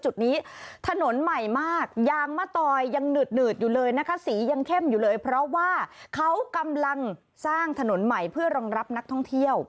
จุดนี้ย้ำอีกสักหนึ่งครั้ง